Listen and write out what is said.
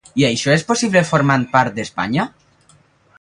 I això és possible formant part d'Espanya?